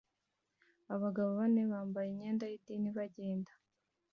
Abagabo bane bambaye imyenda y'idini bagenda